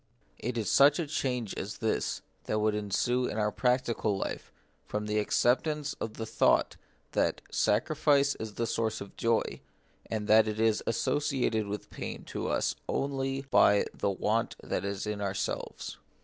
It is such a change as this that would ensue in our practical life from the acceptance of the thought that sacrifice is the source of joy, and that it is associated with pain to us only by the want that is in ourselves.